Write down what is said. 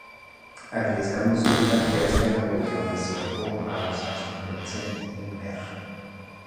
Arriesgando su vida, Kersten acudió resuelto a usar su influencia en Himmler.